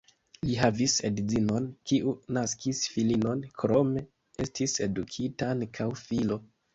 Li havis edzinon, kiu naskis filinon, krome estis edukita ankaŭ filo.